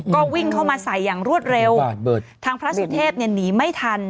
ก็วิ่งเข้ามาใส่อย่างรวดเร็วทางพระสุเทพเนี่ยหนีไม่ทัน